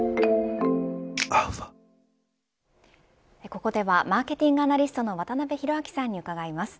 ここではマーケティングアナリストの渡辺広明さんに伺います。